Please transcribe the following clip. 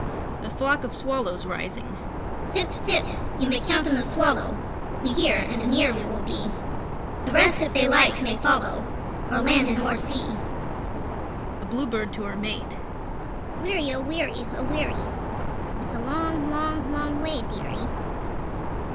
[A Flock of Swallows Rising]: Zip! Zip! You may count on the Swallow! We hear, and anear we will be; The rest, if they like, may follow O'er land and o'er sea. [A Bluebird to Her Mate]: Weary! Oh, weary! Oh, weary! It's a long, long, long way, dearie!